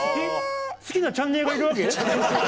好きなチャンネーがいるわけ？